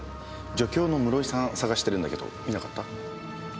助教の室井さんを捜してるんだけど見なかった？